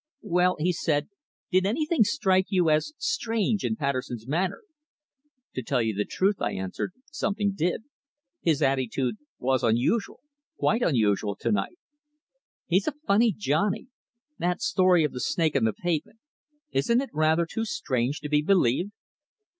"Well," he said, "did anything strike you as strange in Patterson's manner?" "To tell the truth," I answered, "something did. His attitude was unusual quite unusual, to night." "He's a funny Johnnie. That story of the snake on the pavement isn't it rather too strange to be believed?"